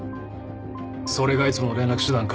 それがいつもの連絡手段か？